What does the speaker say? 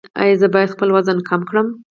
ایا زه باید خپل وزن کم کړم؟